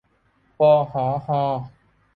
วอ หอ ฮอ